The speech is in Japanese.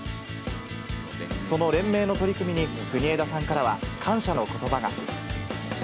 その連盟の取り組みに、国枝さんからは感謝のことばが。